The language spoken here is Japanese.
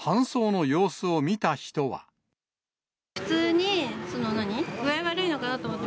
普通に、その、何、具合悪いのかなと思って。